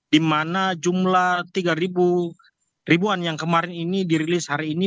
di mana jumlah tiga ribuan yang kemarin ini dirilis hari ini